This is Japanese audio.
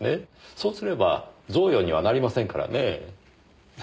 そうすれば贈与にはなりませんからねぇ。